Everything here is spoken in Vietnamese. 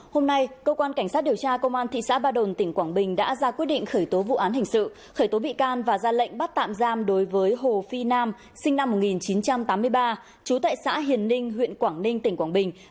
hôm nay cơ quan cảnh sát điều tra công an thị xã ba đồn tỉnh quảng bình đã ra quyết định khởi tố vụ án hình sự khởi tố bị can và ra lệnh bắt tạm giam đối với hồ phi nam sinh năm một nghìn chín trăm tám mươi ba trú tại xã hiền ninh huyện quảng ninh tỉnh quảng bình